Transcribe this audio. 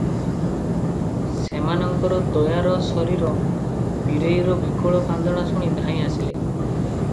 ସେମାନଙ୍କର ଦୟାର ଶରୀର, ବିରେଇର ବିକଳ କାନ୍ଦଣା ଶୁଣି ଧାଇଁ ଆସିଲେ ।